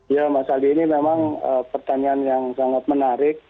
ya mas aldi ini memang pertanyaan yang sangat menarik